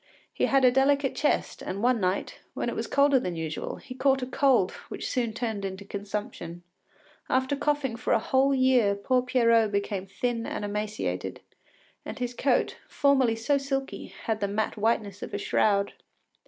He had a delicate chest, and one night, when it was colder than usual, he caught a cold which soon turned into consumption. After coughing for a whole year poor Pierrot became thin and emaciated, and his coat, formerly so silky, had the mat whiteness of a shroud.